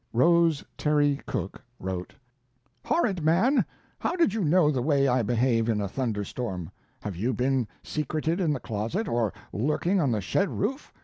Rose Terry Cooke wrote: Horrid man, how did you know the way I behave in a thunderstorm? Have you been secreted in the closet or lurking on the shed roof?